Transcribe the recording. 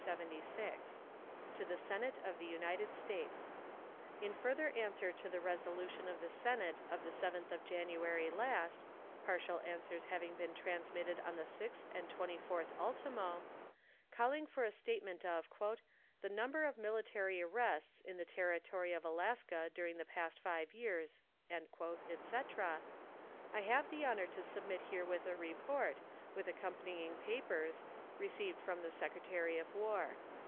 To the Senate of the United States: In further answer to the resolution of the Senate of the 7th of January last (partial answers having been transmitted on the 6th and 24th ultimo), calling for a statement of "the number of military arrests in the Territory of Alaska during the past five years," etc., I have the honor to submit herewith a report, with accompanying papers, received from the Secretary of War.